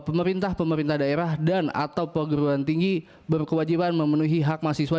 pemerintah pemerintah daerah dan atau perguruan tinggi berkewajiban memenuhi hak mahasiswa